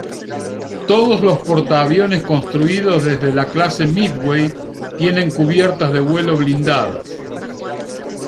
Todos los portaaviones construidos desde la clase Midway tienen cubiertas de vuelo blindadas.